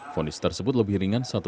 fundis tersebut lebih ringan satu bulan